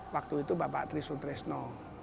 waktu itu bapak trisul tresno